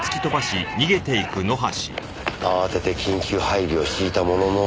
慌てて緊急配備を敷いたものの。